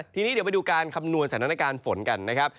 ทีนี้เดี๋ยวไปดูการคำนวณสถานการณ์ฝนกันนะครับ